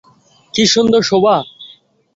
কী সুন্দর শোভা।